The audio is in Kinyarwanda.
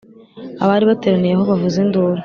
abari bateraniye aho bavuza induru,